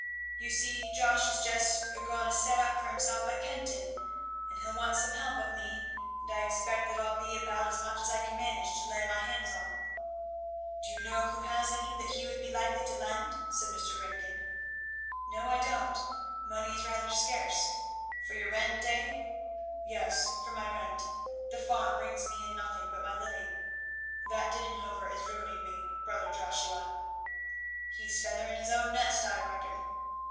"You see Josh is just a going to set up for himself at Kenton, and he'll want some help of me; and I expect that'll be about as much as I can manage to lay my hands on." "Do you know who has any that he would be likely to lend?" said Mr. Ringgan. "No, I don't. Money is rather scarce. For your rent, eh?" "Yes, for my rent! The farm brings me in nothing but my living. That Didenhover is ruining me, brother Joshua." "He's feathering his own nest, I reckon."